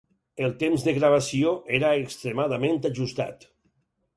El temps de gravació era extremadament ajustat.